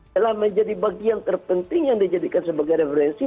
telah menjadi bagian terpenting yang dijadikan sebagai referensi